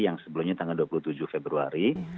yang sebelumnya tanggal dua puluh tujuh februari